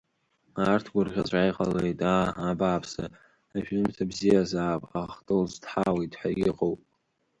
Арҭ гәырӷьаҵәа иҟалеит, аа, абааԥсы, ҳажәымҭа бзиазаап, ахҭылҵ дҳауеит ҳәа иҟоуп.